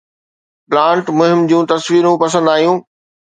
plant مهم جون تصويرون پسند آيون